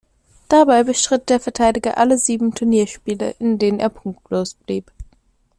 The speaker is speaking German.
Dabei bestritt der Verteidiger alle sieben Turnierspiele, in denen er punktlos blieb.